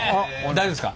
大丈夫ですか？